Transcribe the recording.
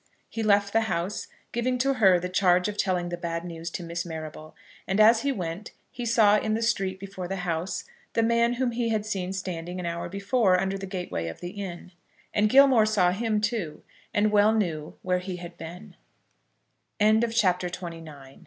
He left the house, giving to her the charge of telling the bad news to Miss Marrable; and as he went he saw in the street before the house the man whom he had seen standing an hour before under the gateway of the inn. And Gilmore saw him too, and well knew where he had been. CHAPTER XXX. THE AUNT AND THE UNCLE.